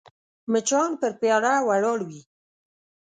مچان پر پیاله ولاړ وي